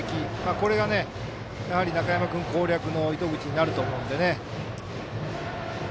これが中山君攻略の糸口になると思うのでね。